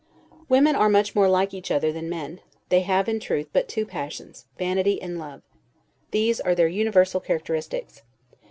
Women are much more like each other than men: they have, in truth, but two passions, vanity and love; these are their universal characteristics.